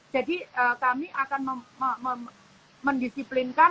jadi kami akan mendisiplinkan